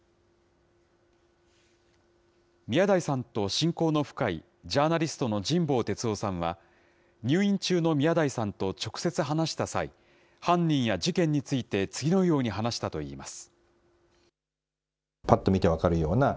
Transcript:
宮台さんと親交の深いジャーナリストの神保哲生さんは、入院中の宮台さんと直接話した際、犯人や事件について次のように話したといいます。